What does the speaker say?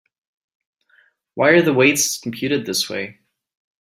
Why are the weights computed this way?